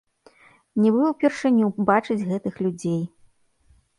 Нібы ўпершыню бачыць гэтых людзей.